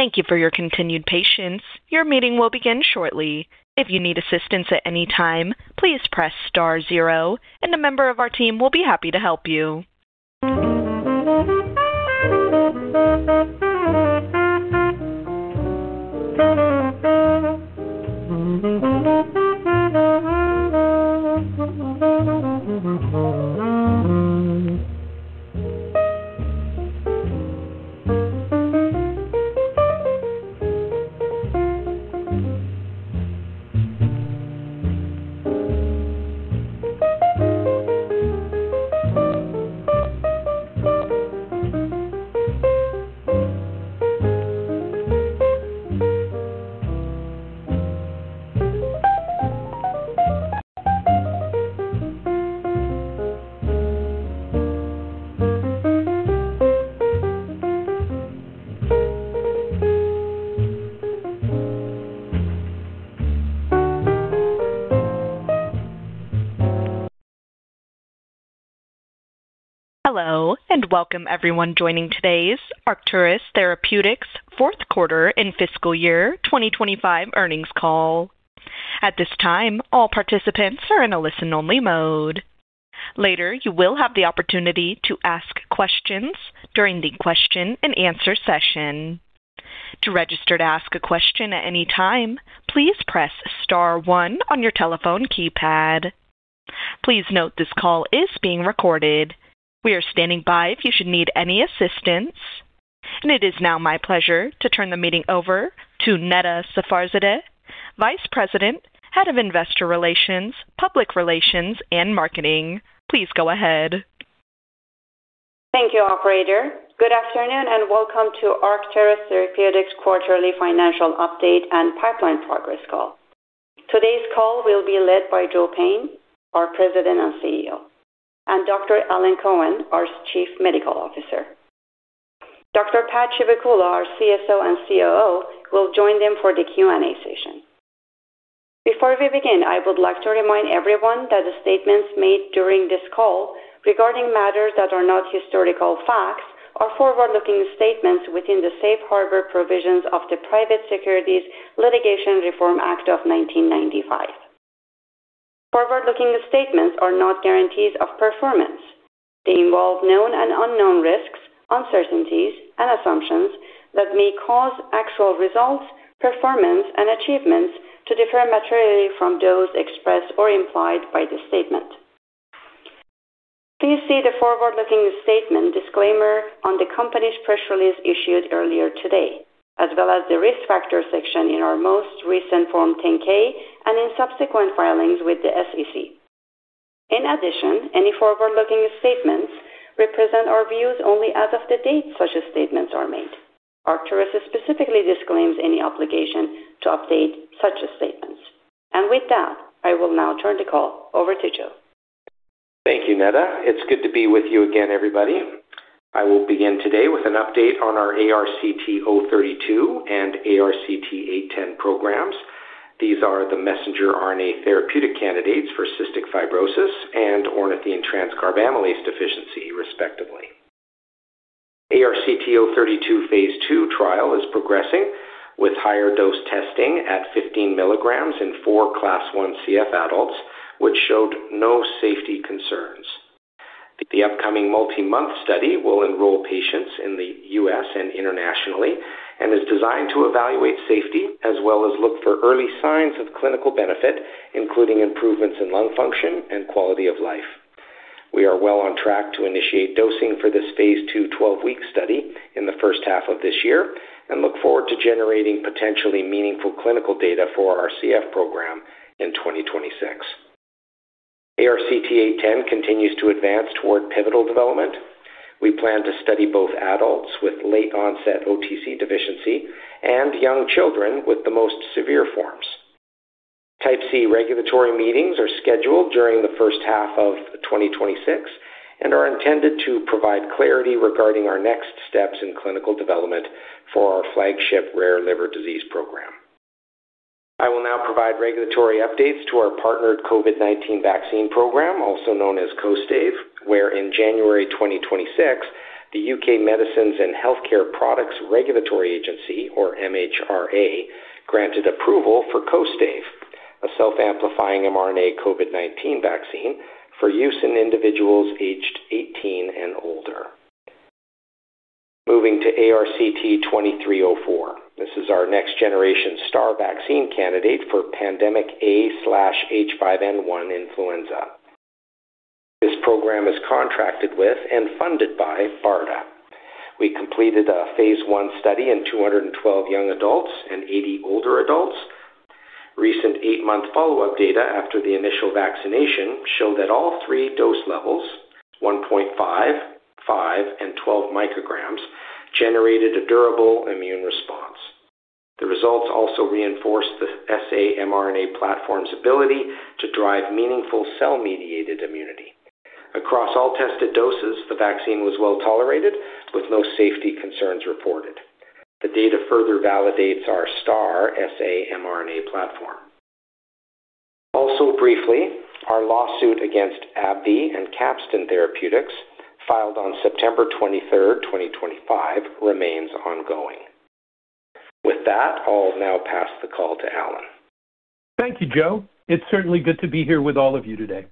Thank you for your continued patience. Your meeting will begin shortly. If you need assistance at any time, please press star zero and a member of our team will be happy to help you. Hello, welcome everyone joining today's Arcturus Therapeutics fourth quarter and fiscal year 2025 earnings call. At this time, all participants are in a listen-only mode. Later, you will have the opportunity to ask questions during the question and answer session. To register to ask a question at any time, please press star one on your telephone keypad. Please note this call is being recorded. We are standing by if you should need any assistance. It is now my pleasure to turn the meeting over to Neda Safarzadeh, Vice President, Head of Investor Relations, Public Relations, and Marketing. Please go ahead. Thank you, operator. Good afternoon, welcome to Arcturus Therapeutics quarterly financial update and pipeline progress call. Today's call will be led by Joe Payne, our President and CEO, and Dr. Alan Cohen, our Chief Medical Officer. Dr. Pad Chivukula, our CSO and COO, will join them for the Q&A session. Before we begin, I would like to remind everyone that the statements made during this call regarding matters that are not historical facts are forward-looking statements within the Safe Harbor provisions of the Private Securities Litigation Reform Act of 1995. Forward-looking statements are not guarantees of performance. They involve known and unknown risks, uncertainties, and assumptions that may cause actual results, performance, and achievements to differ materially from those expressed or implied by the statement. Please see the forward-looking statement disclaimer on the company's press release issued earlier today, as well as the Risk Factors section in our most recent Form 10-K and in subsequent filings with the SEC. In addition, any forward-looking statements represent our views only as of the date such statements are made. Arcturus specifically disclaims any obligation to update such statements. With that, I will now turn the call over to Joe. Thank you, Neda. It's good to be with you again, everybody. I will begin today with an update on our ARCT-032 and ARCT-810 programs. These are the messenger RNA therapeutic candidates for cystic fibrosis and ornithine transcarbamylase deficiency, respectively. ARCT-032 phase II trial is progressing with higher dose testing at 15 mg in four Class one CF adults, which showed no safety concerns. The upcoming multi-month study will enroll patients in the U.S. and internationally and is designed to evaluate safety as well as look for early signs of clinical benefit, including improvements in lung function and quality of life. We are well on track to initiate dosing for this phase II 12-week study in the first half of this year and look forward to generating potentially meaningful clinical data for our CF program in 2026. ARCT-810 continues to advance toward pivotal development. We plan to study both adults with late-onset OTC deficiency and young children with the most severe forms. Type C regulatory meetings are scheduled during the first half of 2026 and are intended to provide clarity regarding our next steps in clinical development for our flagship rare liver disease program. I will now provide regulatory updates to our partnered COVID-19 vaccine program, also known as KOSTAIVE, where in January 2026, the U.K. Medicines and Healthcare Products Regulatory Agency, or MHRA, granted approval for KOSTAIVE, a self-amplifying mRNA COVID-19 vaccine for use in individuals aged 18 and older. Moving to ARCT-2304. This is our next generation STARR vaccine candidate for pandemic A/H5N1 influenza. This program is contracted with and funded by BARDA. We completed a phase I study in 212 young adults and 80 older adults. Recent 8-month follow-up data after the initial vaccination showed that all three dose levels, 1.5mcg, 5mcg and 12mcg, generated a durable immune response. The results also reinforced the sa-mRNA platform's ability to drive meaningful cell-mediated immunity. Across all tested doses, the vaccine was well-tolerated with no safety concerns reported. The data further validates our STARR sa-mRNA platform. Briefly, our lawsuit against AbbVie and Capstan Therapeutics, filed on September 23rd, 2025, remains ongoing. With that, I'll now pass the call to Alan. Thank you, Joe. It's certainly good to be here with all of you today.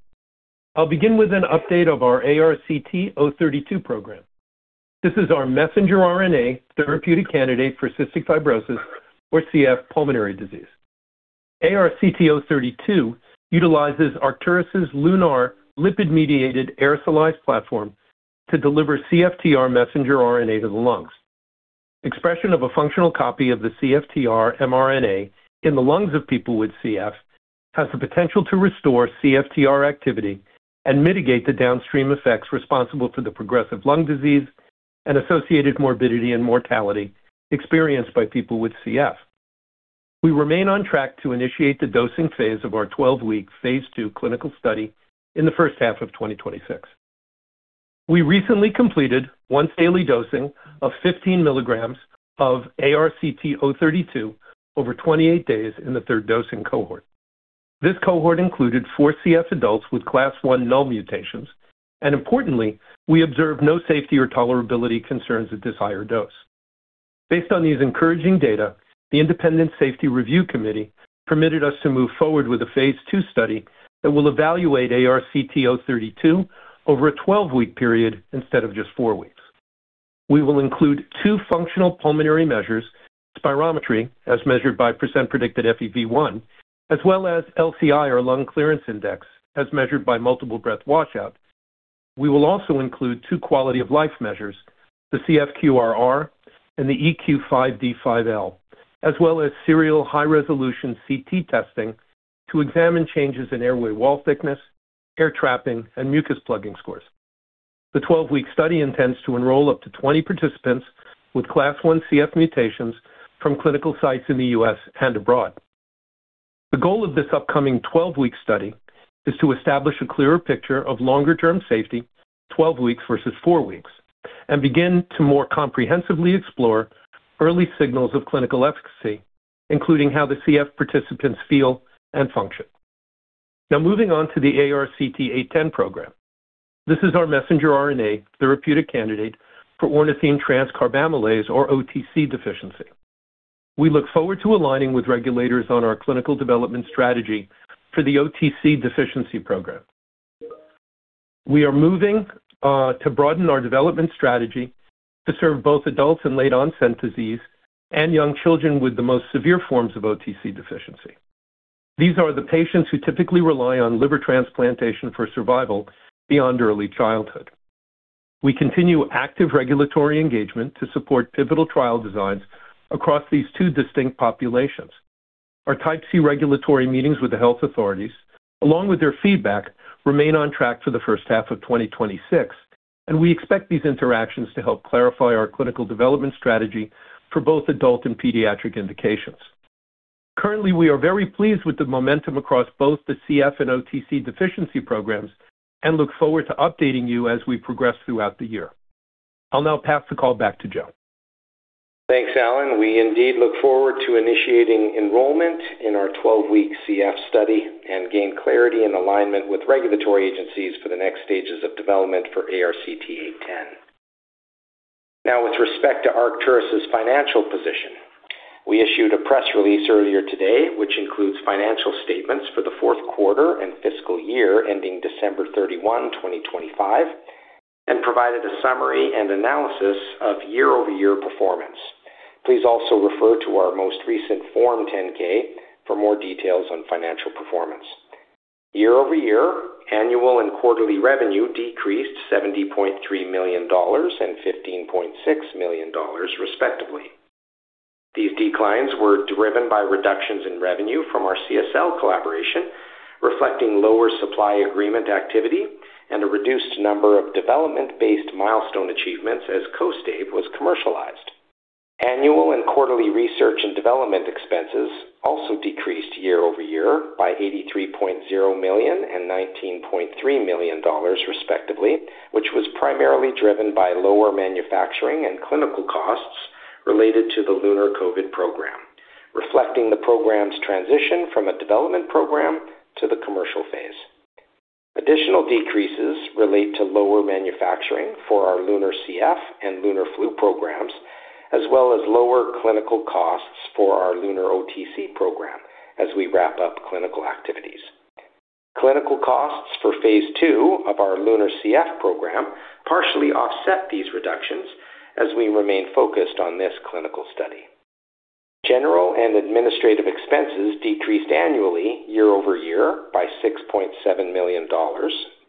I'll begin with an update of our ARCT-032 program. This is our mRNA therapeutic candidate for cystic fibrosis or CF pulmonary disease. ARCT-032 utilizes Arcturus' LUNAR lipid-mediated aerosolized platform to deliver CFTR mRNA to the lungs. Expression of a functional copy of the CFTR mRNA in the lungs of people with CF has the potential to restore CFTR activity and mitigate the downstream effects responsible for the progressive lung disease and associated morbidity and mortality experienced by people with CF. We remain on track to initiate the dosing phase of our 12-week phase II clinical study in the first half of 2026. We recently completed once-daily dosing of 15 mg of ARCT-032 over 28 days in the third dosing cohort. This cohort included four CF adults with Class 1 null mutations, importantly, we observed no safety or tolerability concerns at this higher dose. Based on these encouraging data, the Independent Safety Review Committee permitted us to move forward with a phase II study that will evaluate ARCT-032 over a 12-week period instead of just four weeks. We will include two functional pulmonary measures, spirometry, as measured by % predicted FEV1, as well as LCI, or Lung Clearance Index, as measured by Multiple Breath Washout. We will also include two quality-of-life measures, the CFQ-R and the EQ-5D-5L, as well as serial high-resolution CT testing to examine changes in airway wall thickness, air trapping, and mucus plugging scores. The 12-week study intends to enroll up to 20 participants with Class 1 CF mutations from clinical sites in the U.S. and abroad. The goal of this upcoming 12-week study is to establish a clearer picture of longer-term safety, 12 weeks versus four weeks, and begin to more comprehensively explore early signals of clinical efficacy, including how the CF participants feel and function. Moving on to the ARCT-810 program. This is our messenger RNA therapeutic candidate for Ornithine transcarbamylase, or OTC deficiency. We look forward to aligning with regulators on our clinical development strategy for the OTC deficiency program. We are moving to broaden our development strategy to serve both adults in late onset disease and young children with the most severe forms of OTC deficiency. These are the patients who typically rely on liver transplantation for survival beyond early childhood. We continue active regulatory engagement to support pivotal trial designs across these two distinct populations. Our Type C regulatory meetings with the health authorities, along with their feedback, remain on track for the first half of 2026. We expect these interactions to help clarify our clinical development strategy for both adult and pediatric indications. Currently, we are very pleased with the momentum across both the CF and OTC deficiency programs and look forward to updating you as we progress throughout the year. I'll now pass the call back to Joe. Thanks, Alan. We indeed look forward to initiating enrollment in our 12-week CF study and gain clarity and alignment with regulatory agencies for the next stages of development for ARCT-810. With respect to Arcturus' financial position, we issued a press release earlier today which includes financial statements for the fourth quarter and fiscal year ending 31st December 2025, and provided a summary and analysis of year-over-year performance. Please also refer to our most recent Form 10-K for more details on financial performance. Year-over-year, annual and quarterly revenue decreased $70.3 million and $15.6 million, respectively. These declines were driven by reductions in revenue from our CSL collaboration, reflecting lower supply agreement activity and a reduced number of development-based milestone achievements as KOSTAIVE was commercialized. Annual and quarterly research and development expenses also decreased year-over-year by $83.0 million and $19.3 million, respectively, which was primarily driven by lower manufacturing and clinical costs related to the LUNAR-COV19 program, reflecting the program's transition from a development program to the commercial phase. Additional decreases relate to lower manufacturing for our LUNAR-CF and LUNAR-FLU programs, as well as lower clinical costs for our LUNAR-OTC program as we wrap up clinical activities. Clinical costs for phase II of our LUNAR-CF program partially offset these reductions as we remain focused on this clinical study. General and administrative expenses decreased annually year-over-year by $6.7 million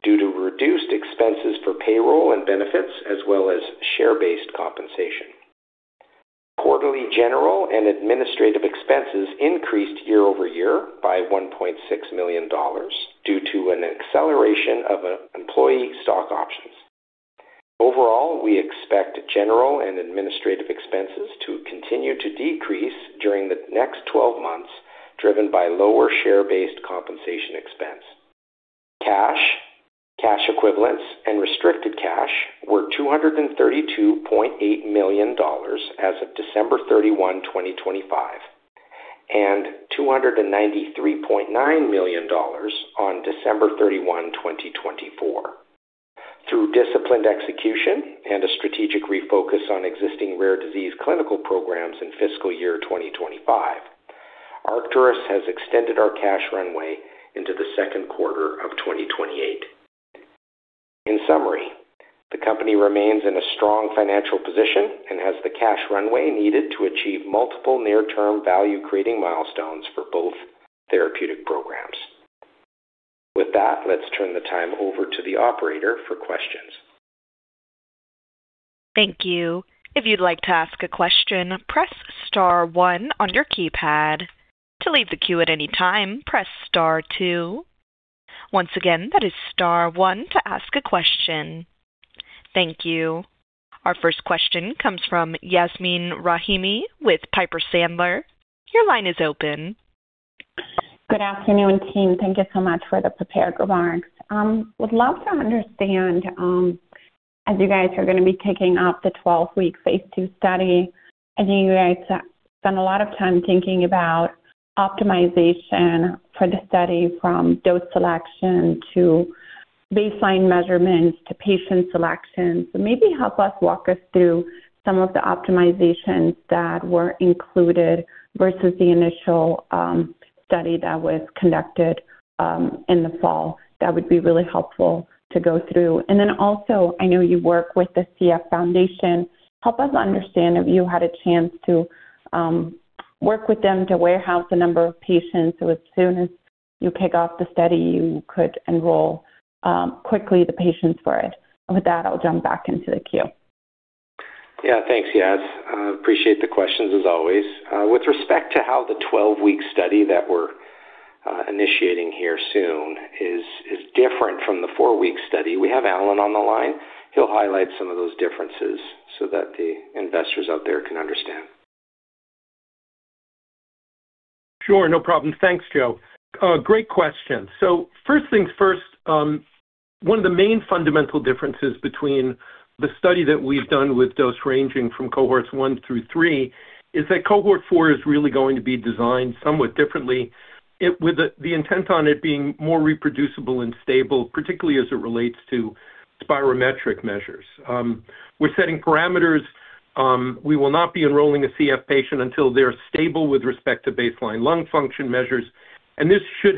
due to reduced expenses for payroll and benefits as well as share-based compensation. Quarterly general and administrative expenses increased year-over-year by $1.6 million due to an acceleration of employee stock options. Overall, we expect general and administrative expenses to continue to decrease during the next 12 months, driven by lower share-based compensation expense. Cash, cash equivalents and restricted cash were $232.8 million as of December 31, 2025, and $293.9 million on December 31, 2024. Through disciplined execution and a strategic refocus on existing rare disease clinical programs in fiscal year 2025, Arcturus has extended our cash runway into the second quarter of 2028. In summary, the company remains in a strong financial position and has the cash runway needed to achieve multiple near-term value-creating milestones for both therapeutic programs. With that, let's turn the time over to the operator for questions. Thank you. If you'd like to ask a question, Press Star one on your keypad. To leave the queue at any time, press STARR two. Once again, that is Star one to ask a question. Thank you. Our first question comes from Yasmeen Rahimi with Piper Sandler. Your line is open. Good afternoon, team. Thank you so much for the prepared remarks. Would love to understand, as you guys are gonna be kicking off the 12-week phase II study, I think you guys have spent a lot of time thinking about optimization for the study from dose selection to baseline measurements to patient selection. Maybe help us walk us through some of the optimizations that were included versus the initial study that was conducted in the fall. That would be really helpful to go through. Also, I know you work with the CF Foundation. Help us understand if you had a chance to work with them to warehouse a number of patients so as soon as you kick off the study, you could enroll quickly the patients for it. With that, I'll jump back into the queue. Yeah. Thanks, Yas. I appreciate the questions as always. With respect to how the 12-week study that we're initiating here soon is different from the 4-week study, we have Alan on the line. He'll highlight some of those differences so that the investors out there can understand. Sure. No problem. Thanks, Joe. Great question. First things first, one of the main fundamental differences between the study that we've done with dose ranging from cohorts one through three is that cohort four is really going to be designed somewhat differently with the intent on it being more reproducible and stable, particularly as it relates to spirometric measures. We're setting parameters, we will not be enrolling a CF patient until they're stable with respect to baseline lung function measures, and this should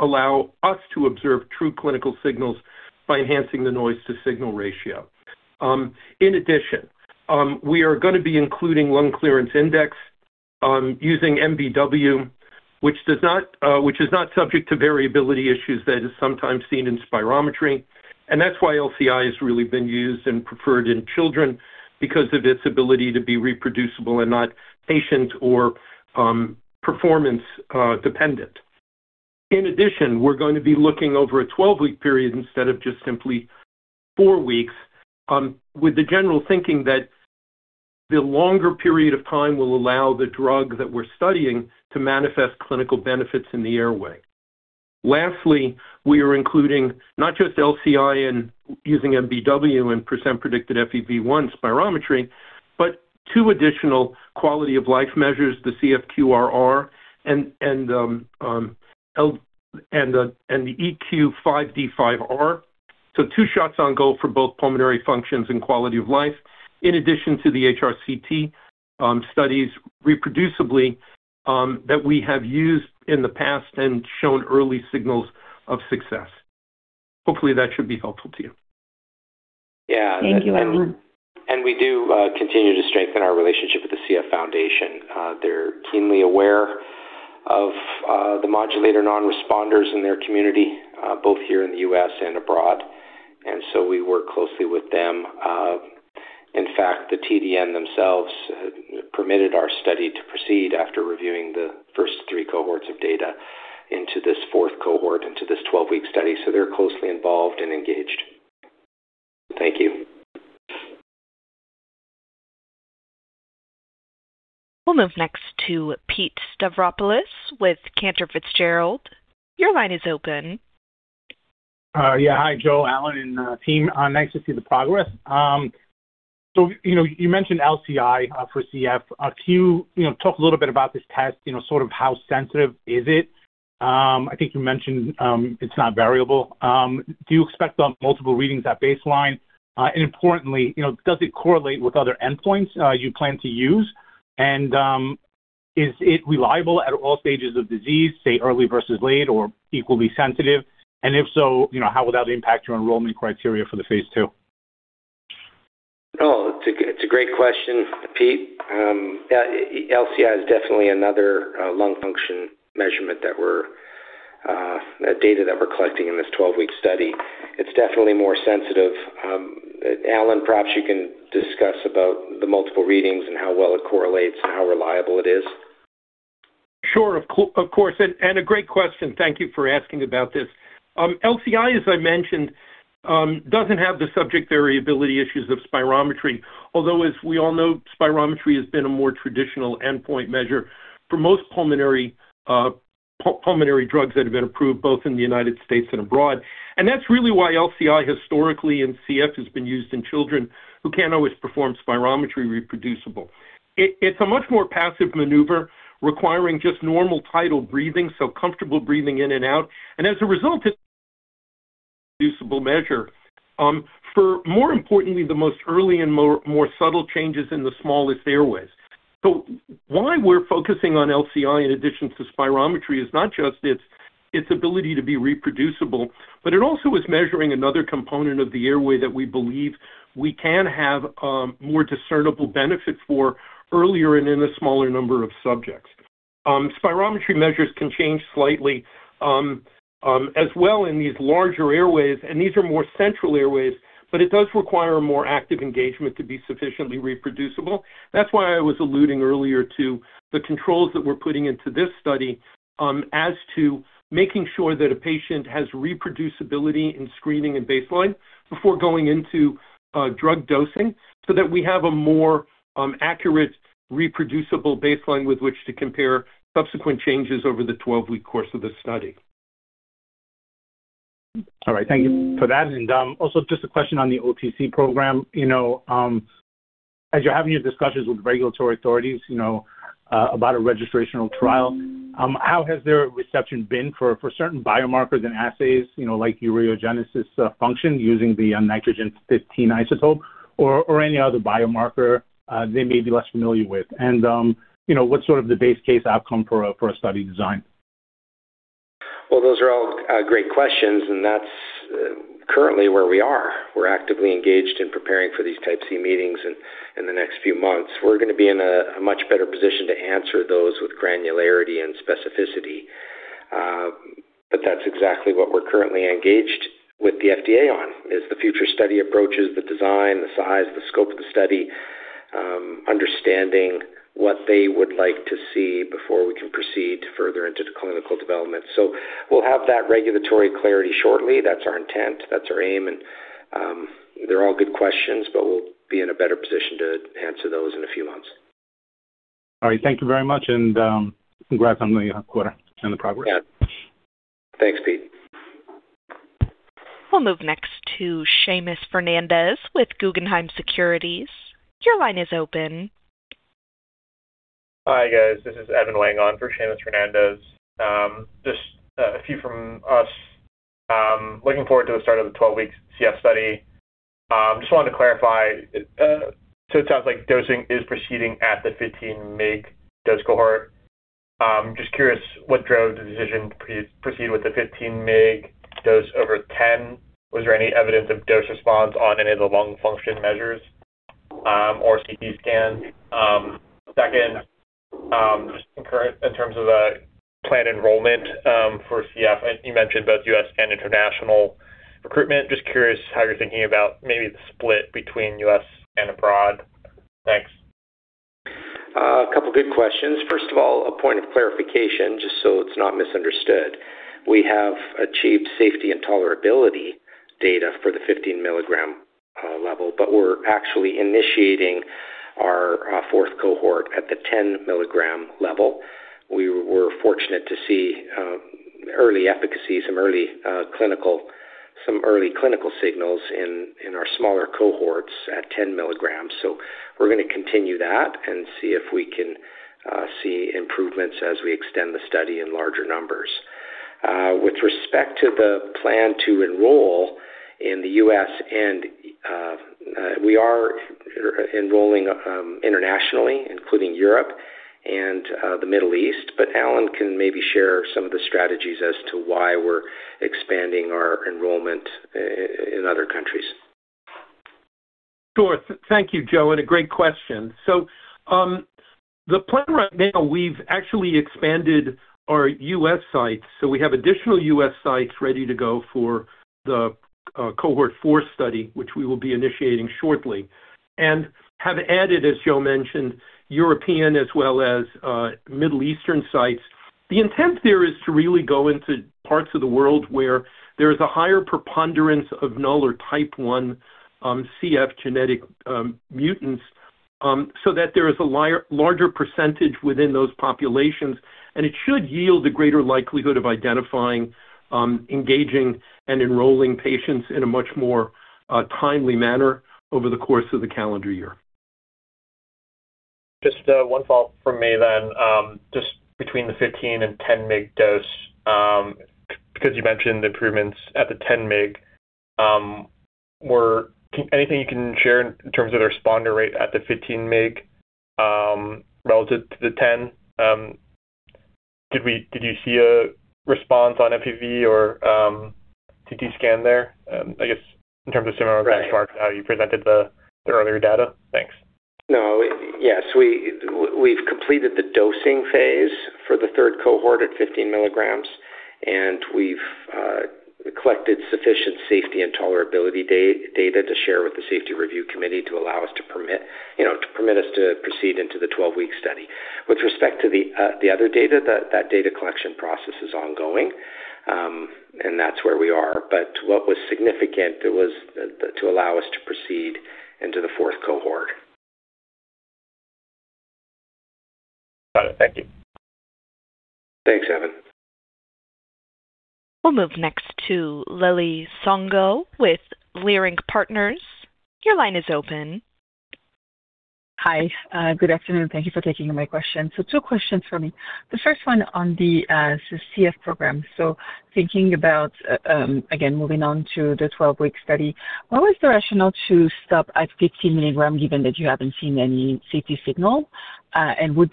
allow us to observe true clinical signals by enhancing the noise to signal ratio. In addition, we are gonna be including Lung Clearance Index using MBW, which is not subject to variability issues that is sometimes seen in spirometry. That's why LCI has really been used and preferred in children because of its ability to be reproducible and not patient or performance dependent. In addition, we're going to be looking over a 12-week period instead of just simply four weeks with the general thinking that the longer period of time will allow the drug that we're studying to manifest clinical benefits in the airway. Lastly, we are including not just LCI in using MBW and percent predicted FEV1 spirometry, but two additional quality of life measures, the CFQ-R and the EQ-5D-5L. two shots on goal for both pulmonary functions and quality of life in addition to the HRCT studies reproducibly that we have used in the past and shown early signals of success. Hopefully, that should be helpful to you. Yeah. Thank you, Alan. We do continue to strengthen our relationship with the CF Foundation. They're keenly aware of the modulator non-responders in their community, both here in the U.S. and abroad. We work closely with them. In fact, the TDN themselves permitted our study to proceed after reviewing the first three cohorts of data into this fourth cohort, into this 12-week study. They're closely involved and engaged. Thank you. We'll move next to Pete Stavropoulos with Cantor Fitzgerald. Your line is open. Yeah. Hi, Joe, Alan, and team. Nice to see the progress. You know, you mentioned LCI for CF. Can you know, talk a little bit about this test, you know, sort of how sensitive is it? I think you mentioned it's not variable. Do you expect multiple readings at baseline? Importantly, you know, does it correlate with other endpoints you plan to use? Is it reliable at all stages of disease, say, early versus late or equally sensitive? If so, you know, how will that impact your enrollment criteria for the phase II? Oh, it's a great question, Pete. Yeah, LCI is definitely another lung function measurement that we're data that we're collecting in this 12-week study. It's definitely more sensitive. Alan, perhaps you can discuss about the multiple readings and how well it correlates and how reliable it is. Sure. Of course. A great question. Thank you for asking about this. LCI, as I mentioned, doesn't have the subject variability issues of spirometry, although, as we all know, spirometry has been a more traditional endpoint measure for most pulmonary Pulmonary drugs that have been approved both in the United States and abroad. That's really why LCI historically in CF has been used in children who can't always perform spirometry reproducible. It's a much more passive maneuver requiring just normal tidal breathing, so comfortable breathing in and out. As a result, it's a reproducible measure, for more importantly, the most early and more subtle changes in the smallest airways. Why we're focusing on LCI in addition to spirometry is not just its ability to be reproducible, but it also is measuring another component of the airway that we believe we can have more discernible benefit for earlier and in a smaller number of subjects. Spirometry measures can change slightly as well in these larger airways, and these are more central airways, but it does require a more active engagement to be sufficiently reproducible. That's why I was alluding earlier to the controls that we're putting into this study as to making sure that a patient has reproducibility in screening and baseline before going into drug dosing so that we have a more accurate, reproducible baseline with which to compare subsequent changes over the 12-week course of the study. All right. Thank you for that. Also just a question on the OTC program. You know, as you're having your discussions with regulatory authorities, you know, about a registrational trial, how has their reception been for certain biomarkers and assays, you know, like ureogenesis function using the nitrogen-15 isotope or any other biomarker they may be less familiar with? You know, what's sort of the base case outcome for a study design? Those are all great questions, that's currently where we are. We're actively engaged in preparing for these Type C meetings in the next few months. We're going to be in a much better position to answer those with granularity and specificity. That's exactly what we're currently engaged with the FDA on, is the future study approaches, the design, the size, the scope of the study, understanding what they would like to see before we can proceed further into the clinical development. We'll have that regulatory clarity shortly. That's our intent. That's our aim. They're all good questions, we'll be in a better position to answer those in a few months. All right. Thank you very much, and, congrats on the quarter and the progress. Yeah. Thanks, Pete. We'll move next to Seamus Fernandez with Guggenheim Securities. Your line is open. Hi, guys. This is Evan Wang on for Seamus Fernandez. Just a few from us. Looking forward to the start of the 12-week CF study. Just wanted to clarify. It sounds like dosing is proceeding at the 15 mg dose cohort. Just curious what drove the decision to proceed with the 15 mg dose over 10. Was there any evidence of dose response on any of the lung function measures or CT scans? Second, in terms of the planned enrollment for CF, you mentioned both US and international recruitment. Just curious how you're thinking about maybe the split between US and abroad. Thanks. A couple good questions. First of all, a point of clarification, just so it's not misunderstood. We have achieved safety and tolerability data for the 15-milligram level, but we're actually initiating our fourth cohort at the 10-milligram level. We were fortunate to see early efficacy, some early clinical, some early clinical signals in our smaller cohorts at 10 mg. We're gonna continue that and see if we can see improvements as we extend the study in larger numbers. With respect to the plan to enroll in the U.S. and we are enrolling internationally, including Europe and the Middle East, but Alan can maybe share some of the strategies as to why we're expanding our enrollment in other countries. Sure. Thank you, Joe, and a great question. The plan right now, we've actually expanded our U.S. sites, so we have additional U.S. sites ready to go for the cohort four study, which we will be initiating shortly. Have added, as Joe mentioned, European as well as Middle Eastern sites. The intent there is to really go into parts of the world where there is a higher preponderance of null or Type one CF genetic mutants, so that there is a larger percentage within those populations. It should yield a greater likelihood of identifying, engaging, and enrolling patients in a much more timely manner over the course of the calendar year. One follow-up from me then. Between the 15 and 10 mg dose, because you mentioned improvements at the 10 mg, anything you can share in terms of the responder rate at the 15 mg relative to the 10? Did you see a response on FEV or CT scan there? I guess in terms of similar to the chart how you presented the earlier data. Thanks. No. Yes. We've completed the dosing phase for the third cohort at 15 mg, and we've collected sufficient safety and tolerability data to share with the Safety Review Committee to allow us to permit, you know, to permit us to proceed into the 12-week study. With respect to the other data, that data collection process is ongoing, and that's where we are. What was significant it was to allow us to proceed into the fourth cohort. Got it. Thank you. Thanks, Evan. We'll move next to Lili Nsongo with Leerink Partners. Your line is open. Hi. Good afternoon. Thank you for taking my question. Two questions for me. The first one on the CF program. Thinking about, again, moving on to the 12-week study, what was the rationale to stop at 15 mg given that you haven't seen any safety signal? Would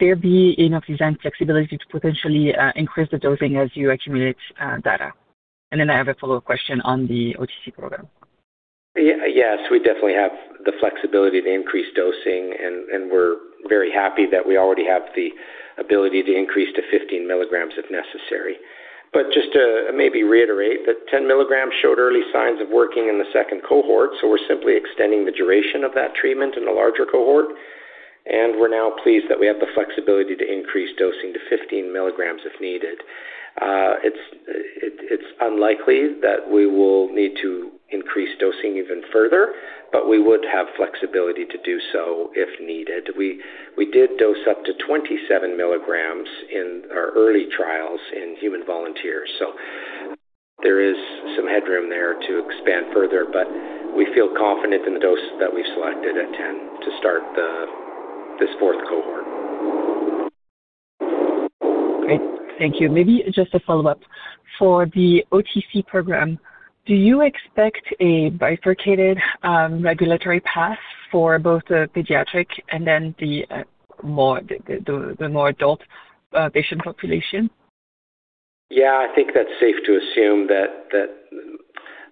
there be enough design flexibility to potentially increase the dosing as you accumulate data? I have a follow-up question on the OTC program. Yes, we definitely have the flexibility to increase dosing, and we're very happy that we already have the ability to increase to 15 mg if necessary. Just to maybe reiterate that 10 mg showed early signs of working in the second cohort, so we're simply extending the duration of that treatment in a larger cohort, and we're now pleased that we have the flexibility to increase dosing to 15 mg if needed. It's unlikely that we will need to increase dosing even further, but we would have flexibility to do so if needed. We did dose up to 27 mg in our early trials in human volunteers, so there is some headroom there to expand further, but we feel confident in the dose that we've selected at 10 to start this fourth cohort. Great. Thank you. Maybe just a follow-up. For the OTC program, do you expect a bifurcated regulatory path for both the pediatric and then the more adult patient population? Yeah. I think that's safe to assume that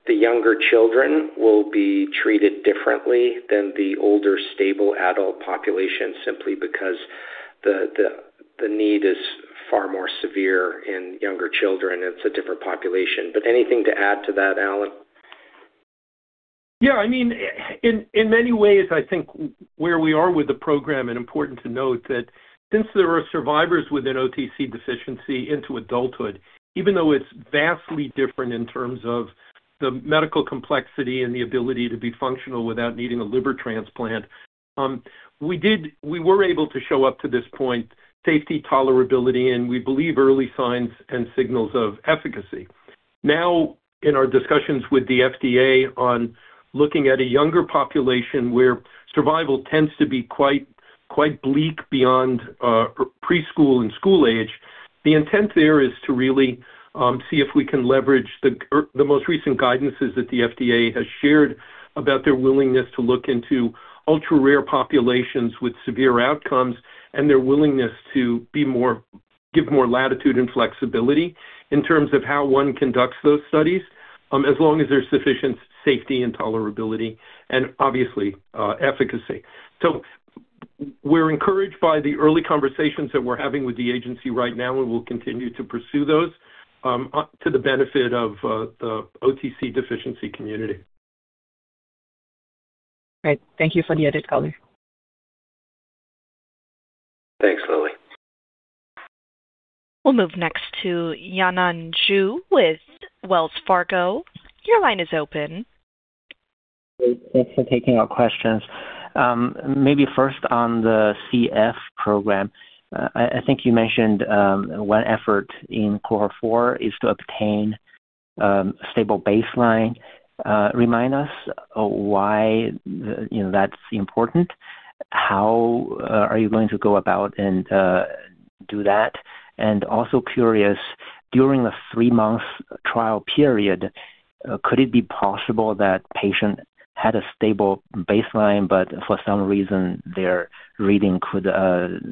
the younger children will be treated differently than the older, stable adult population simply because the need is far more severe in younger children. It's a different population. Anything to add to that, Alan? Yeah. I mean, in many ways, I think where we are with the program and important to note that since there are survivors within OTC deficiency into adulthood, even though it's vastly different in terms of the medical complexity and the ability to be functional without needing a liver transplant, we were able to show up to this point safety tolerability, and we believe early signs and signals of efficacy. In our discussions with the FDA on looking at a younger population where survival tends to be quite bleak beyond preschool and school age, the intent there is to really see if we can leverage the most recent guidances that the FDA has shared about their willingness to look into ultra-rare populations with severe outcomes and their willingness to give more latitude and flexibility in terms of how one conducts those studies, as long as there's sufficient safety and tolerability and obviously, efficacy. We're encouraged by the early conversations that we're having with the agency right now, and we'll continue to pursue those to the benefit of the OTC deficiency community. Great. Thank you for the added color. Thanks, Lily. We'll move next to Yanan Zhu with Wells Fargo. Your line is open. Great. Thanks for taking our questions. Maybe first on the CF program. I think you mentioned one effort in cohort four is to obtain stable baseline. Remind us why, you know, that's important. How are you going to go about and do that? Also curious, during the three month trial period, could it be possible that patient had a stable baseline, but for some reason, their reading could,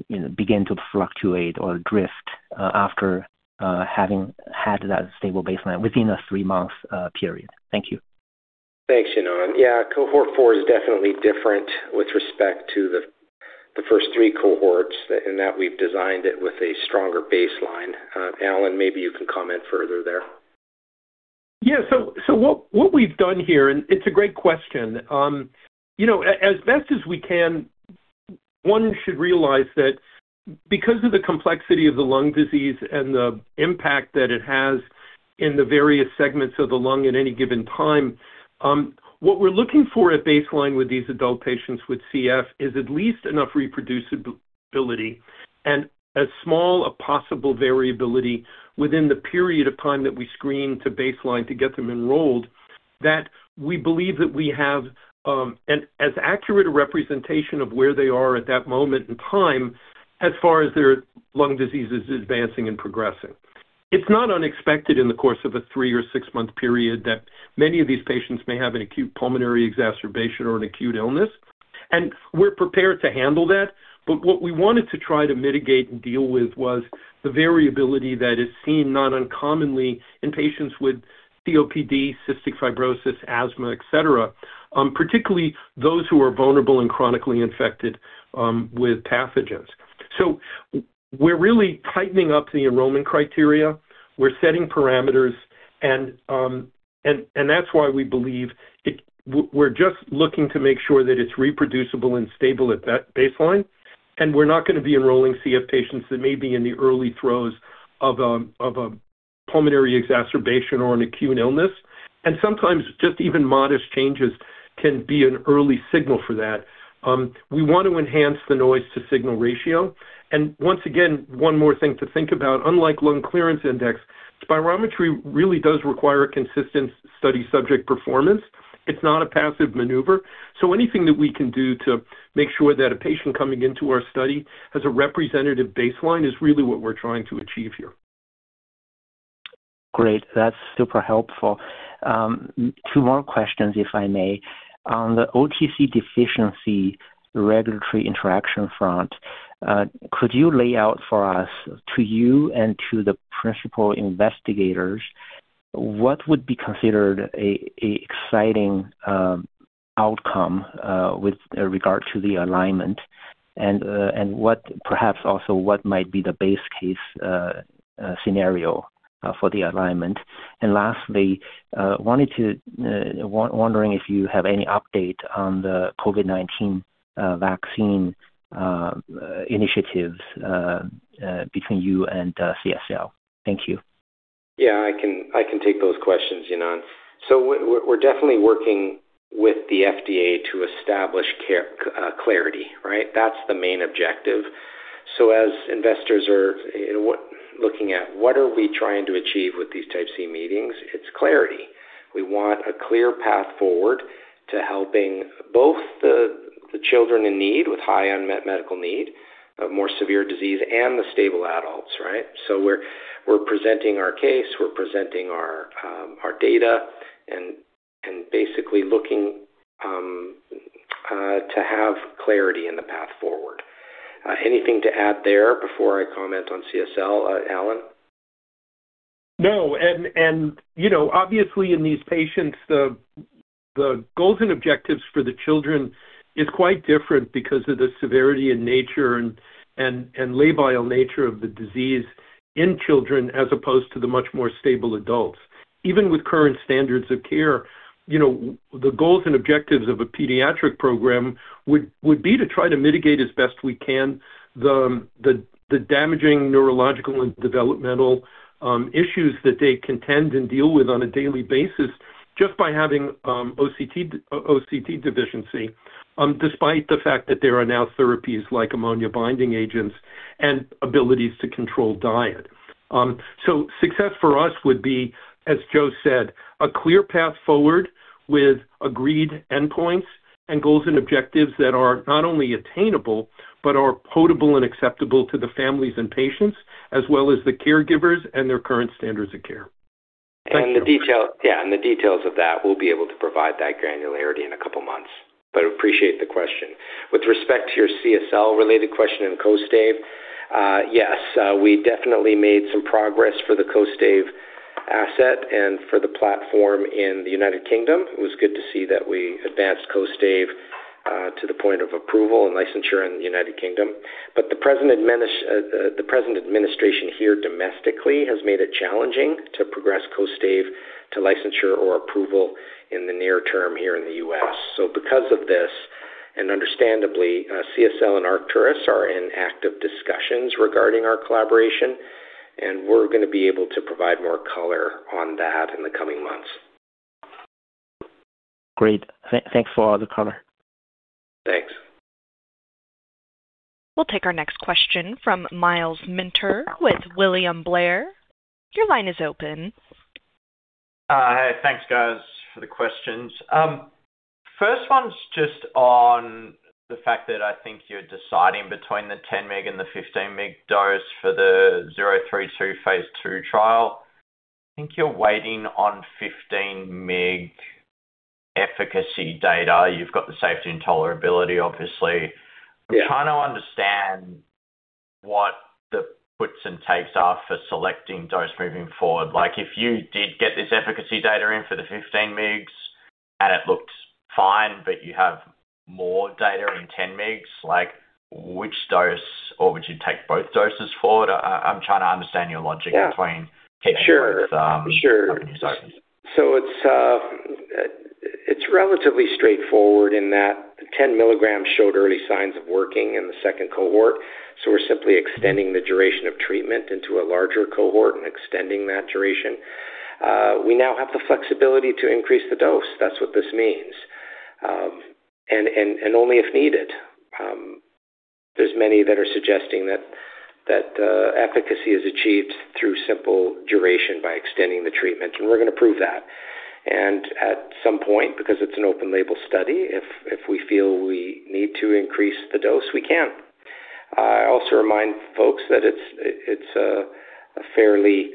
you know, begin to fluctuate or drift after having had that stable baseline within a three month period? Thank you. Thanks, Yanan. Yeah, cohort four is definitely different with respect to the first three cohorts and that we've designed it with a stronger baseline. Alan, maybe you can comment further there. Yeah. What we've done here, it's a great question. you know, as best as we can, one should realize that because of the complexity of the lung disease and the impact that it has in the various segments of the lung at any given time, what we're looking for at baseline with these adult patients with CF is at least enough reproducibility and as small a possible variability within the period of time that we screen to baseline to get them enrolled, that we believe that we have an as accurate a representation of where they are at that moment in time as far as their lung disease is advancing and progressing. It's not unexpected in the course of a 3 or 6 month period that many of these patients may have an acute pulmonary exacerbation or an acute illness, and we're prepared to handle that. What we wanted to try to mitigate and deal with was the variability that is seen not uncommonly in patients with COPD, cystic fibrosis, asthma, et cetera, particularly those who are vulnerable and chronically infected with pathogens. We're really tightening up the enrollment criteria. We're setting parameters, and that's why we believe it... We're just looking to make sure that it's reproducible and stable at that baseline. We're not gonna be enrolling CF patients that may be in the early throes of a pulmonary exacerbation or an acute illness. Sometimes just even modest changes can be an early signal for that. We want to enhance the noise to signal ratio. Once again, one more thing to think about. Unlike Lung Clearance Index, spirometry really does require a consistent study subject performance. It's not a passive maneuver. Anything that we can do to make sure that a patient coming into our study has a representative baseline is really what we're trying to achieve here. Great. That's super helpful. Two more questions, if I may. On the OTC deficiency regulatory interaction front, could you lay out for us, to you and to the principal investigators, what would be considered a exciting outcome with regard to the alignment and what perhaps also what might be the base case scenario for the alignment? Lastly, wondering if you have any update on the COVID-19 vaccine initiatives between you and CSL. Thank you. Yeah, I can take those questions, Yanan. We're definitely working with the FDA to establish care, clarity, right? That's the main objective. As investors are, you know, looking at, what are we trying to achieve with these Type C meetings, it's clarity. We want a clear path forward to helping both the children in need with high unmet medical need, of more severe disease and the stable adults, right? We're presenting our case. We're presenting our data and basically looking to have clarity in the path forward. Anything to add there before I comment on CSL, Alan Cohen? No. you know, obviously in these patients, the goals and objectives for the children is quite different because of the severity and nature and labile nature of the disease in children, as opposed to the much more stable adults. Even with current standards of care, you know, the goals and objectives of a pediatric program would be to try to mitigate as best we can the damaging neurological and developmental issues that they contend and deal with on a daily basis just by having OTC deficiency despite the fact that there are now therapies like ammonia-binding agents and abilities to control diet. Success for us would be, as Joe said, a clear path forward with agreed endpoints and goals and objectives that are not only attainable but are potable and acceptable to the families and patients, as well as the caregivers and their current standards of care. The detail. The details of that, we'll be able to provide that granularity in a couple of months, but appreciate the question. With respect to your CSL related question in KOSTAIVE, yes, we definitely made some progress for the KOSTAIVE asset and for the platform in the United Kingdom. It was good to see that we advanced KOSTAIVE to the point of approval and licensure in the United Kingdom. The present administration here domestically has made it challenging to progress KOSTAIVE to licensure or approval in the near term here in the U.S. Because of this, and understandably, CSL and Arcturus are in active discussions regarding our collaboration, and we're gonna be able to provide more color on that in the coming months. Great. Thanks for all the color. Thanks. We'll take our next question from Myles Minter with William Blair. Your line is open. Hey, thanks, guys, for the questions. First one's just on the fact that I think you're deciding between the 10 mig and the 15 mig dose for the ARCT-032 phase II trial. I think you're waiting on 15 mig efficacy data. You've got the safety and tolerability, obviously. Yeah. I'm trying to understand what the puts and takes are for selecting dose moving forward. Like, if you did get this efficacy data in for the 15 migs and it looked fine, but you have more data in 10 migs, like which dose or would you take both doses forward? I'm trying to understand your logic. Yeah. between keeping both. Sure. It's relatively straightforward in that 10 mg showed early signs of working in the second cohort. We're simply extending the duration of treatment into a larger cohort and extending that duration. We now have the flexibility to increase the dose. That's what this means. And only if needed. There's many that are suggesting that efficacy is achieved through simple duration by extending the treatment, and we're gonna prove that. At some point, because it's an open label study, if we feel we need to increase the dose, we can. I also remind folks that it's a fairly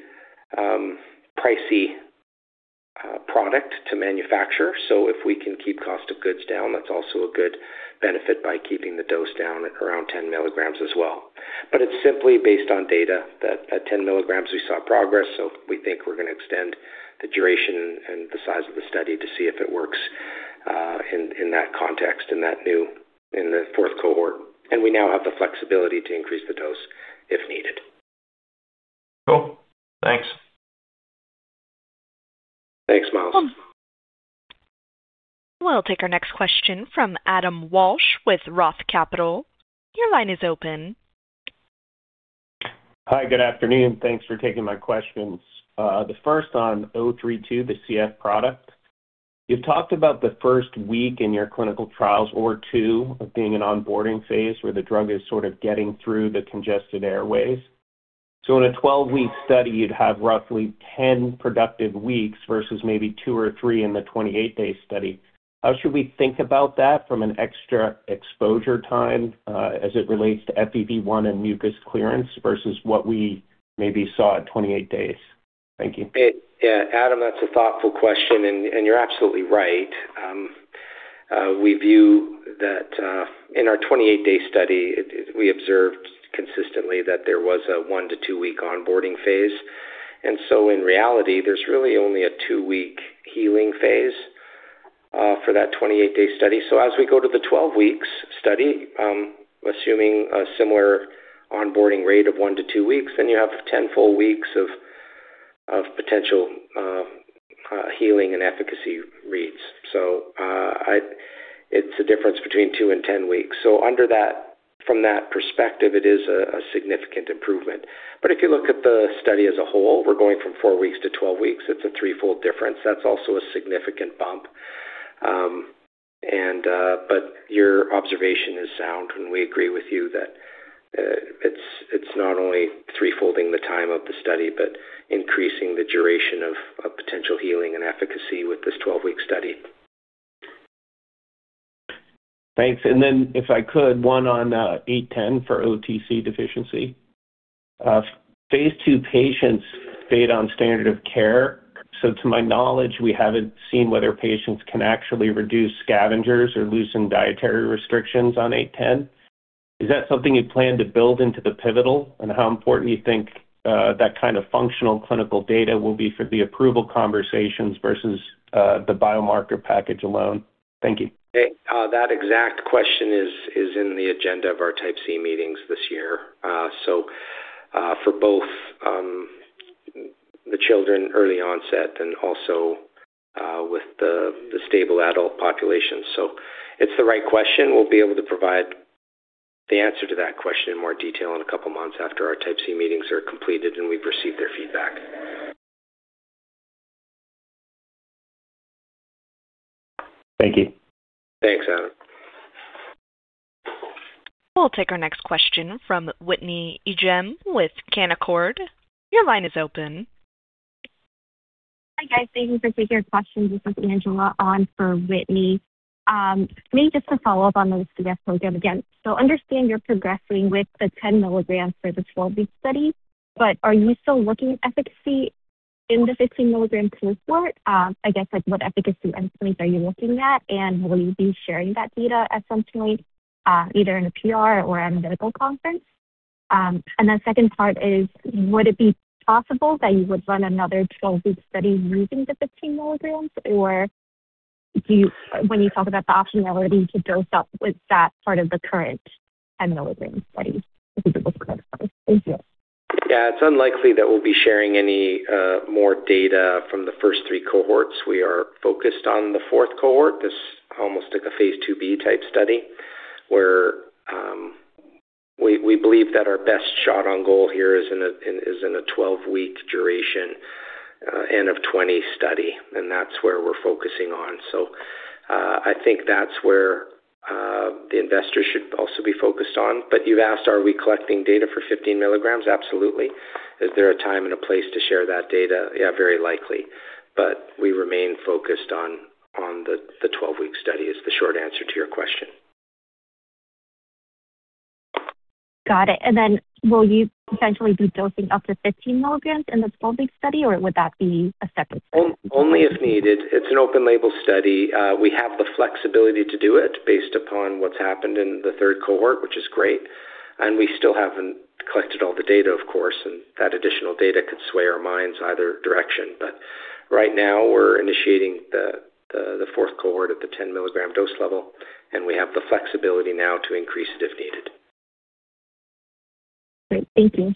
pricey product to manufacture. If we can keep cost of goods down, that's also a good benefit by keeping the dose down around 10 mg as well. It's simply based on data that at 10 mg we saw progress. We think we're gonna extend the duration and the size of the study to see if it works in that context, in the fourth cohort. We now have the flexibility to increase the dose if needed. Cool. Thanks. Thanks, Myles. We'll take our next question from Adam Walsh with Roth Capital. Your line is open. Hi, good afternoon. Thanks for taking my questions. The first on 032, the CF product. You've talked about the first week in your clinical trials or two of being an onboarding phase where the drug is sort of getting through the congested airways. In a 12-week study, you'd have roughly 10 productive weeks versus maybe two or three in the 28-day study. How should we think about that from an extra exposure time, as it relates to FEV1 and mucus clearance versus what we maybe saw at 28 days? Thank you. Yeah. Adam, that's a thoughtful question, and you're absolutely right. We view that in our 28-day study, we observed consistently that there was a one- to two-week onboarding phase. In reality there's really only a two-week healing phase for that 28-day study. As we go to the 12 weeks study, assuming a similar onboarding rate of one- to two weeks, you have 10 full weeks of potential healing and efficacy reads. It's a difference between two and 10 weeks. From that perspective it is a significant improvement. If you look at the study as a whole, we're going from four weeks to 12 weeks, it's a three fold difference. That's also a significant bump. Your observation is sound, and we agree with you that, it's not only three folding the time of the study, but increasing the duration of potential healing and efficacy with this 12-week study. Thanks. If I could, one on ARCT-810 for OTC deficiency. phase II patients stayed on standard of care. To my knowledge, we haven't seen whether patients can actually reduce scavengers or loosen dietary restrictions on ARCT-810. Is that something you plan to build into the pivotal? How important do you think, that kind of functional clinical data will be for the approval conversations versus, the biomarker package alone? Thank you. Hey, that exact question is in the agenda of our Type C meetings this year. For both the children early onset and also with the stable adult population. It's the right question. We'll be able to provide the answer to that question in more detail in a couple of months after our Type C meetings are completed and we've received their feedback. Thank you. Thanks, Adam. We'll take our next question from Whitney Ijem with Canaccord. Your line is open. Hi guys. Thank you for taking our questions. This is Angela on for Whitney. Maybe just to follow up on the CF program again. Understand you're progressing with the 10 mg for the 12-week study, but are you still looking at efficacy in the 15 mg cohort? I guess like what efficacy endpoints are you looking at? Will you be sharing that data at some point, either in a PR or at a medical conference? The second part is, would it be possible that you would run another 12-week study using the 15 mg? Or when you talk about the optionality to dose up, was that part of the current 10 milligram study? If you could clarify. Thank you. Yeah. It's unlikely that we'll be sharing any more data from the first three cohorts. We are focused on the fourth cohort. This almost like a phase IIb type study, where we believe that our best shot on goal here is in a 12-week duration, N of 20 study, and that's where we're focusing on. I think that's where the investors should also be focused on. You've asked, are we collecting data for 15 mg? Absolutely. Is there a time and a place to share that data? Yeah, very likely. We remain focused on the 12-week study is the short answer to your question. Got it. Then will you potentially be dosing up to 15 mg in the 12-week study, or would that be a separate study? Only if needed. It's an open label study. We have the flexibility to do it based upon what's happened in the third cohort, which is great. We still haven't collected all the data, of course, and that additional data could sway our minds either direction. Right now, we're initiating the fourth cohort at the 10 milligram dose level, and we have the flexibility now to increase it if needed. Great. Thank you.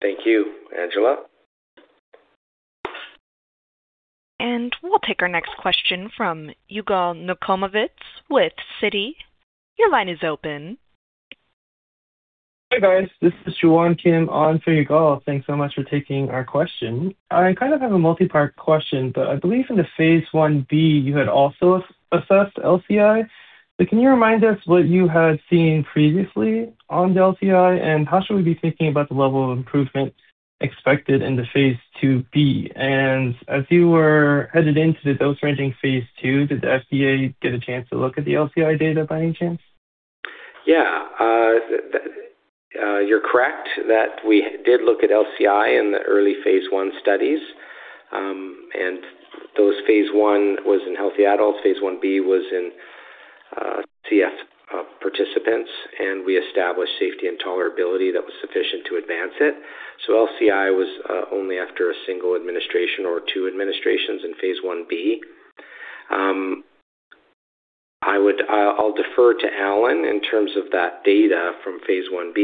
Thank you, Angela. We'll take our next question from Yigal Nochomovitz with Citi. Your line is open. Hey, guys. This is Jiwon Kim on for Yigal Nochomovitz. Thanks so much for taking our question. I kind of have a multi-part question. I believe in the phase Ib, you had also assessed LCI. Can you remind us what you had seen previously on the LCI? How should we be thinking about the level of improvement expected in the phase IIb? As you were headed into the dose ranging phase II, did the FDA get a chance to look at the LCI data by any chance? Yeah. You're correct that we did look at LCI in the early phase I studies. Those phase I was in healthy adults. phase Ib was in CF participants, and we established safety and tolerability that was sufficient to advance it. LCI was only after a single administration or two administrations in phase Ib. I'll defer to Alan in terms of that data from phase Ib.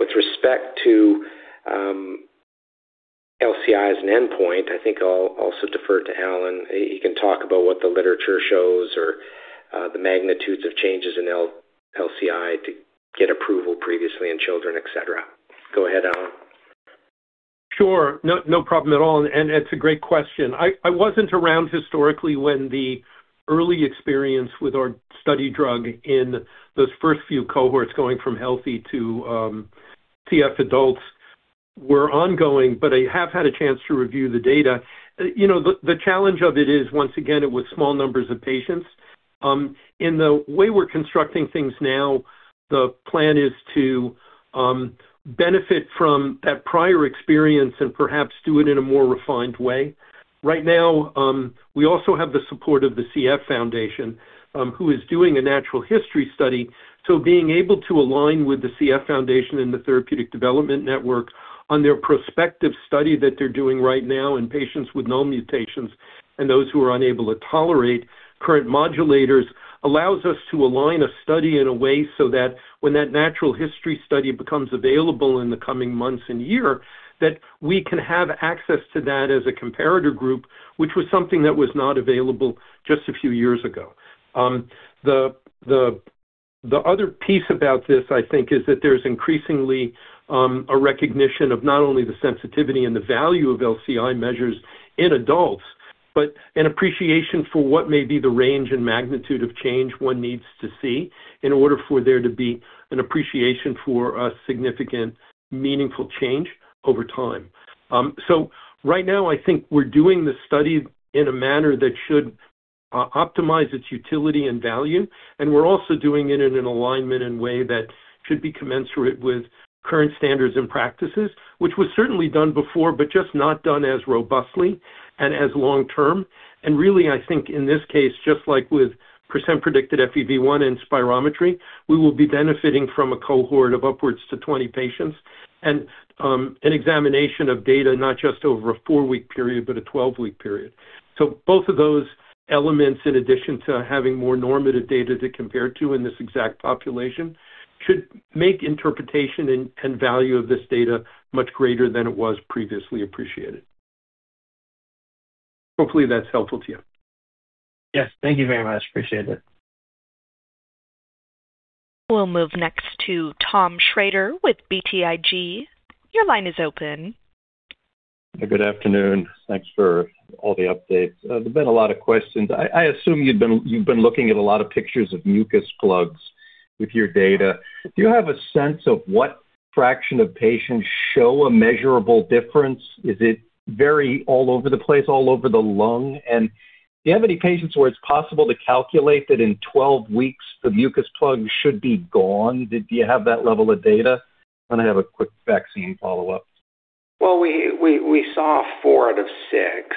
With respect to LCI as an endpoint, I think I'll also defer to Alan. He can talk about what the literature shows or the magnitudes of changes in LCI to get approval previously in children, et cetera. Go ahead, Alan. Sure. No, no problem at all. It's a great question. I wasn't around historically when the early experience with our study drug in those first few cohorts going from healthy to CF adults were ongoing, but I have had a chance to review the data. You know, the challenge of it is, once again, it was small numbers of patients. In the way we're constructing things now, the plan is to benefit from that prior experience and perhaps do it in a more refined way. Right now, we also have the support of the CF Foundation, who is doing a natural history study. Being able to align with the CF Foundation and the Therapeutics Development Network on their prospective study that they're doing right now in patients with no mutations and those who are unable to tolerate current modulators allows us to align a study in a way so that when that natural history study becomes available in the coming months and year, that we can have access to that as a comparator group, which was something that was not available just a few years ago. The other piece about this, I think, is that there's increasingly a recognition of not only the sensitivity and the value of LCI measures in adults, but an appreciation for what may be the range and magnitude of change one needs to see in order for there to be an appreciation for a significant, meaningful change over time. Right now, I think we're doing the study in a manner that should optimize its utility and value, and we're also doing it in an alignment and way that should be commensurate with current standards and practices, which was certainly done before, but just not done as robustly and as long-term. Really, I think in this case, just like with percent-predicted FEV1 in spirometry, we will be benefiting from a cohort of upwards to 20 patients and an examination of data not just over a four-week period, but a 12-week period. Both of those elements, in addition to having more normative data to compare to in this exact population, should make interpretation and value of this data much greater than it was previously appreciated. Hopefully, that's helpful to you. Yes. Thank you very much. Appreciate it. We'll move next to Thomas Shrader with BTIG. Your line is open. Good afternoon. Thanks for all the updates. There's been a lot of questions. I assume you've been looking at a lot of pictures of mucus plugs with your data. Do you have a sense of what fraction of patients show a measurable difference? Is it very all over the place, all over the lung? Do you have any patients where it's possible to calculate that in 12 weeks, the mucus plug should be gone? Do you have that level of data? I have a quick vaccine follow-up. Well, we saw four out of six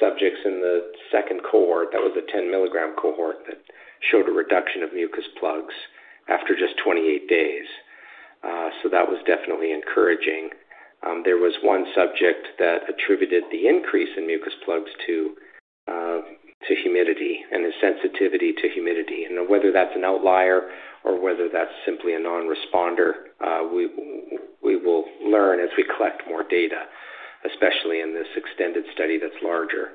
subjects in the second cohort, that was a 10-milligram cohort that showed a reduction of mucus plugs after just 28 days. So that was definitely encouraging. There was one subject that attributed the increase in mucus plugs to humidity and a sensitivity to humidity. Whether that's an outlier or whether that's simply a non-responder, we will learn as we collect more data, especially in this extended study that's larger.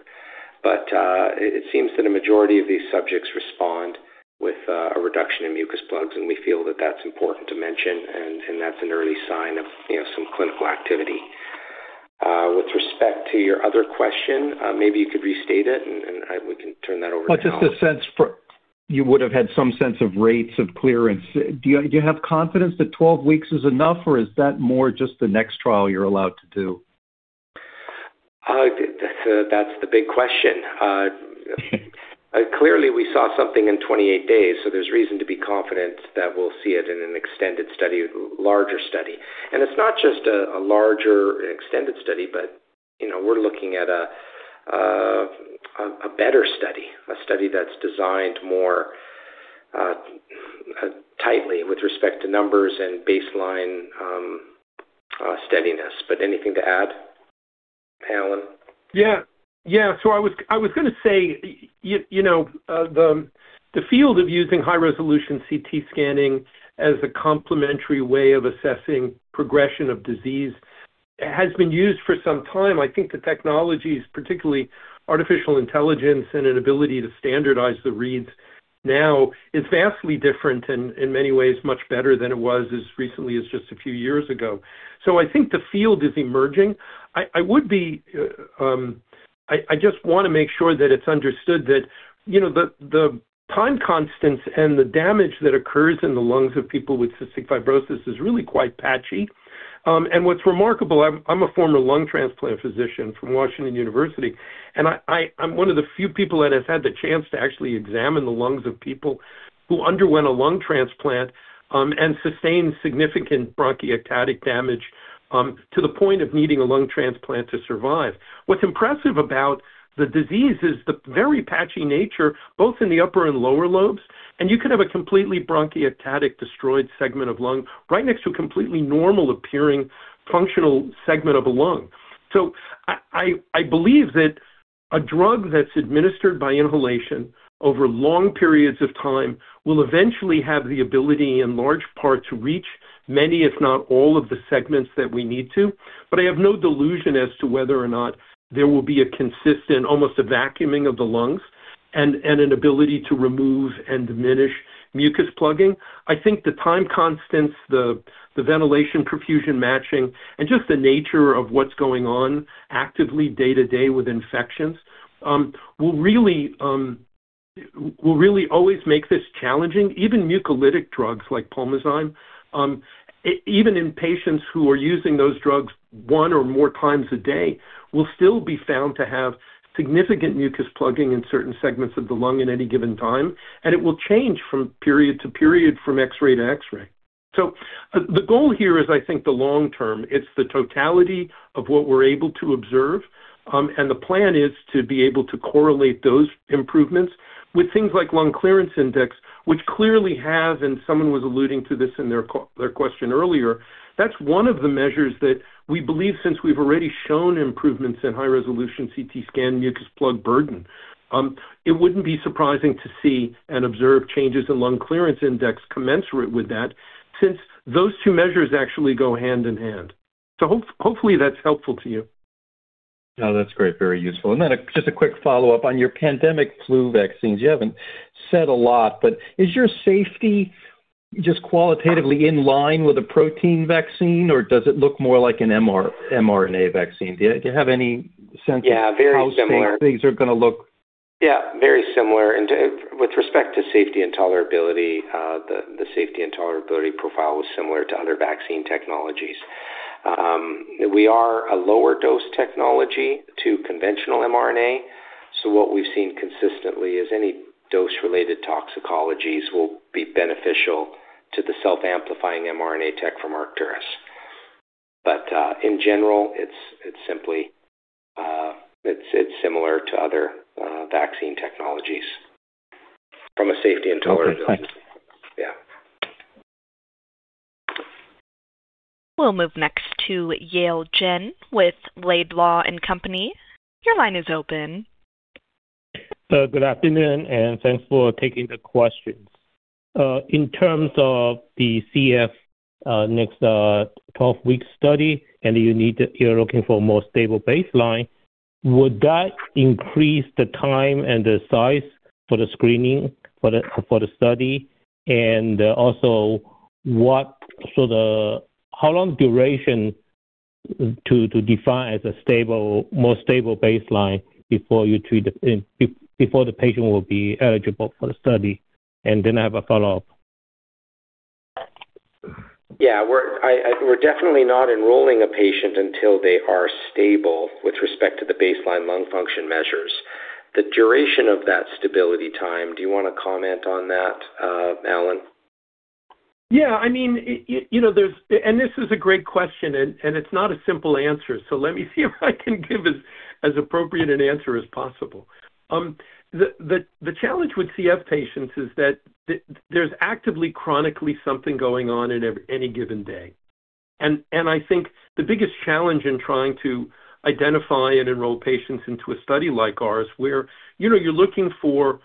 It seems that a majority of these subjects respond with a reduction in mucus plugs, and we feel that that's important to mention, and that's an early sign of, you know, some clinical activity. With respect to your other question, maybe you could restate it and we can turn that over to Alan. Just a sense. You would have had some sense of rates of clearance. Do you have confidence that 12 weeks is enough, or is that more just the next trial you're allowed to do? That's, that's the big question. Clearly, we saw something in 28 days, so there's reason to be confident that we'll see it in an extended study, larger study. It's not just a larger extended study, but, you know, we're looking at a better study, a study that's designed more tightly with respect to numbers and baseline steadiness. Anything to add, Alan? Yeah. Yeah. I was gonna say, you know, the field of using high-resolution CT as a complementary way of assessing progression of disease has been used for some time. I think the technologies, particularly artificial intelligence and an ability to standardize the reads now is vastly different and in many ways, much better than it was as recently as just a few years ago. I think the field is emerging. I would be, I just wanna make sure that it's understood that, you know, the time constants and the damage that occurs in the lungs of people with cystic fibrosis is really quite patchy. What's remarkable, I'm a former lung transplant physician from Washington University, and I'm one of the few people that has had the chance to actually examine the lungs of people who underwent a lung transplant and sustained significant bronchiectasis damage to the point of needing a lung transplant to survive. What's impressive about the disease is the very patchy nature, both in the upper and lower lobes. You could have a completely bronchiectasis destroyed segment of lung right next to a completely normal-appearing functional segment of a lung. I believe that a drug that's administered by inhalation over long periods of time will eventually have the ability, in large part, to reach many, if not all, of the segments that we need to. I have no delusion as to whether or not there will be a consistent, almost a vacuuming of the lungs and an ability to remove and diminish mucus plugging. I think the time constants, the ventilation perfusion matching, and just the nature of what's going on actively day-to-day with infections, will really always make this challenging. Even mucolytic drugs like Pulmozyme, even in patients who are using those drugs one or more times a day, will still be found to have significant mucus plugging in certain segments of the lung in any given time, and it will change from period to period, from X-ray to X-ray. The goal here is, I think, the long term. It's the totality of what we're able to observe. The plan is to be able to correlate those improvements with things like Lung Clearance Index, which clearly have, and someone was alluding to this in their question earlier, that's one of the measures that we believe since we've already shown improvements in high-resolution CT scan mucus plug burden, it wouldn't be surprising to see and observe changes in Lung Clearance Index commensurate with that, since those two measures actually go hand in hand. Hopefully that's helpful to you. No, that's great, very useful. Just a quick follow-up. On your pandemic flu vaccines, you haven't said a lot, but is your safety just qualitatively in line with a protein vaccine, or does it look more like an MR-mRNA vaccine? Do you have any sense of- Yeah, very similar. How safe things are gonna look? Very similar. With respect to safety and tolerability, the safety and tolerability profile was similar to other vaccine technologies. We are a lower dose technology to conventional mRNA. What we've seen consistently is any dose-related toxicologies will be beneficial to the self-amplifying mRNA tech from Arcturus. In general, it's simply similar to other vaccine technologies from a safety and tolerability. Okay, thanks. Yeah. We'll move next to Yale Jen with Laidlaw & Company. Your line is open. Good afternoon, and thanks for taking the questions. In terms of the CF, next, 12-week study, you're looking for a more stable baseline, would that increase the time and the size for the screening for the study? How long duration to define as a more stable baseline before you treat it before the patient will be eligible for the study? Then I have a follow-up. Yeah, we're definitely not enrolling a patient until they are stable with respect to the baseline lung function measures. The duration of that stability time, do you wanna comment on that, Alan? Yeah, I mean, it, you know, there's. This is a great question, and it's not a simple answer, so let me see if I can give as appropriate an answer as possible. The challenge with CF patients is that there's actively chronically something going on in any given day. I think the biggest challenge in trying to identify and enroll patients into a study like ours, where, you know, you're looking for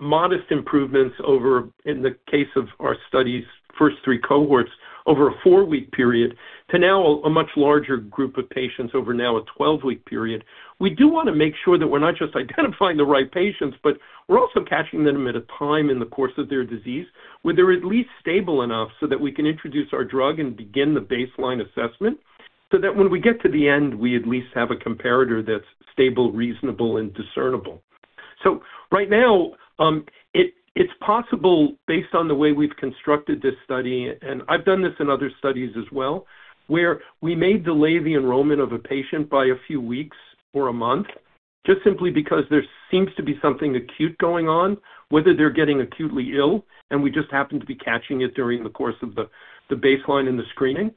modest improvements over, in the case of our study's first three cohorts, over a four week period, to now a much larger group of patients over now a 12-week period, we do wanna make sure that we're not just identifying the right patients, but we're also catching them at a time in the course of their disease where they're at least stable enough so that we can introduce our drug and begin the baseline assessment, so that when we get to the end, we at least have a comparator that's stable, reasonable, and discernible. Right now, it's possible, based on the way we've constructed this study, and I've done this in other studies as well, where we may delay the enrollment of a patient by a few weeks or a month, just simply because there seems to be something acute going on, whether they're getting acutely ill and we just happen to be catching it during the course of the baseline and the screening.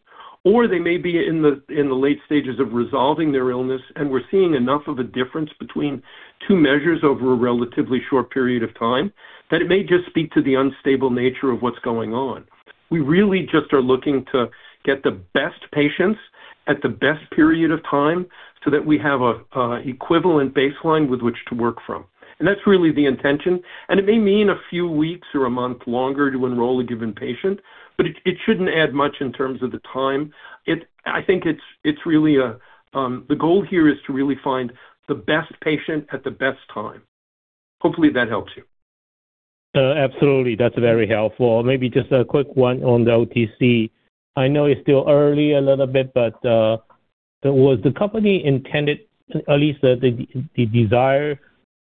They may be in the, in the late stages of resolving their illness, and we're seeing enough of a difference between two measures over a relatively short period of time that it may just speak to the unstable nature of what's going on. We really just are looking to get the best patients at the best period of time so that we have a equivalent baseline with which to work from. That's really the intention, and it may mean a few weeks or a month longer to enroll a given patient, but it shouldn't add much in terms of the time. The goal here is to really find the best patient at the best time. Hopefully that helps you. Absolutely. That's very helpful. Maybe just a quick one on the OTC. I know it's still early a little bit, but was the company intended at least the desire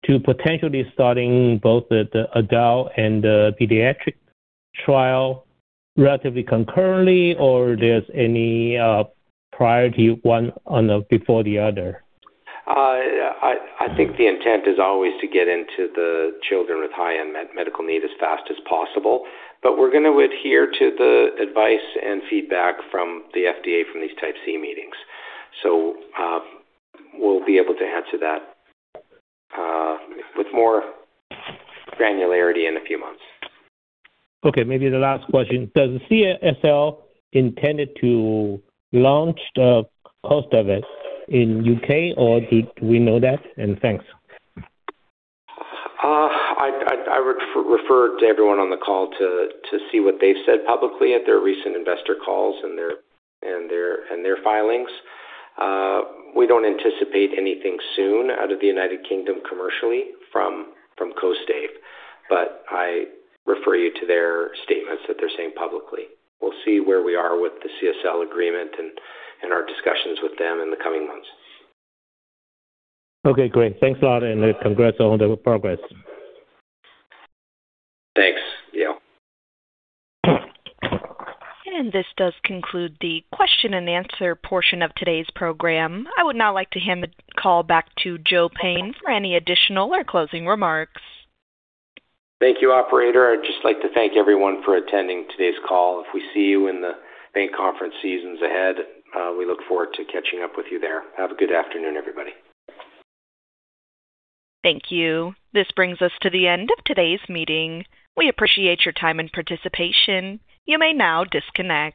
to potentially starting both the adult and the pediatric trial relatively concurrently, or there's any priority one on the before the other? I think the intent is always to get into the children with high end medical need as fast as possible. We're gonna adhere to the advice and feedback from the FDA from these Type C meetings. We'll be able to answer that with more granularity in a few months. Okay, maybe the last question. Does CSL intended to launch the KOSTAIVE in UK, or do we know that? Thanks. I would refer to everyone on the call to see what they've said publicly at their recent investor calls and their filings. We don't anticipate anything soon out of the United Kingdom commercially from KOSTAIVE. I refer you to their statements that they're saying publicly. We'll see where we are with the CSL agreement and our discussions with them in the coming months. Okay, great. Thanks a lot, and congrats on the progress. Thanks, Yale. This does conclude the question and answer portion of today's program. I would now like to hand the call back to Joseph Payne for any additional or closing remarks. Thank you, operator. I'd just like to thank everyone for attending today's call. If we see you in the bank conference seasons ahead, we look forward to catching up with you there. Have a good afternoon, everybody. Thank you. This brings us to the end of today's meeting. We appreciate your time and participation. You may now disconnect.